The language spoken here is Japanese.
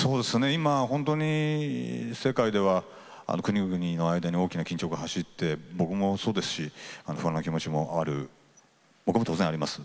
今本当に世界では国々の間に大きな緊張が走って僕もそうですし不安な気持ちもある僕も当然あります。